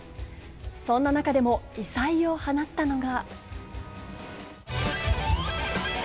そんな中でも異彩を放ったのが。